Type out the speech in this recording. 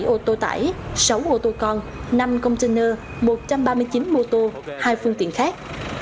ba mươi bảy ô tô tải sáu ô tô con năm container một trăm ba mươi chín mô tô hai phương tiện khác